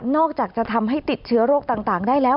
อกจากจะทำให้ติดเชื้อโรคต่างได้แล้ว